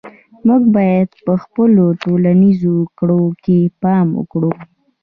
موږ باید په خپلو ټولنیزو کړنو کې پام وکړو.